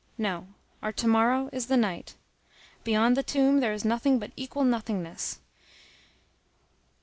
No; our to morrow is the night. Beyond the tomb there is nothing but equal nothingness.